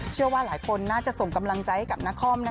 เชื่อว่าหลายคนน่าจะส่งกำลังใจให้กับนคร